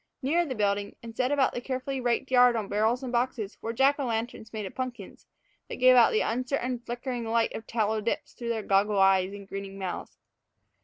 Nearer the building, and set about the carefully raked yard on barrels and boxes, were Jack o' lanterns made of pumpkins, that gave out the uncertain, flickering light of tallow dips through their goggle eyes and grinning mouths.